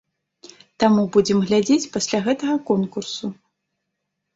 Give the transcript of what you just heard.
Таму будзем глядзець пасля гэтага конкурсу.